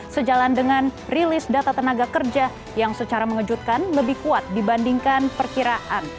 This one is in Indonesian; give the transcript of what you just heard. sejalan dengan rilis data tenaga kerja yang secara mengejutkan lebih kuat dibandingkan perkiraan